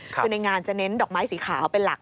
คือในงานจะเน้นดอกไม้สีขาวเป็นหลัก